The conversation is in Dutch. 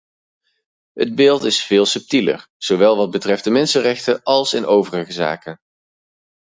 Het beeld is veel subtieler, zowel wat betreft de mensenrechten als in overige zaken.